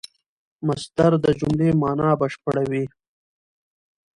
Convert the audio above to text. مصدر د جملې مانا بشپړوي.